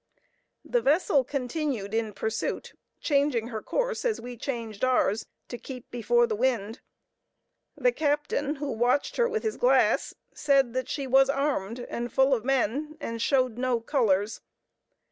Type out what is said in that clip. The vessel continued in pursuit, changing her course as we changed ours, to keep before the wind. The captain, who watched her with his glass, said that she was armed, and full of men, and showed no colors.